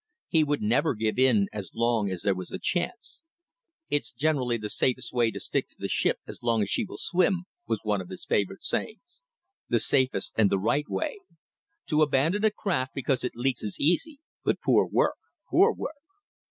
He would never give in as long as there was a chance. "It's generally the safest way to stick to the ship as long as she will swim," was one of his favourite sayings: "The safest and the right way. To abandon a craft because it leaks is easy but poor work. Poor work!"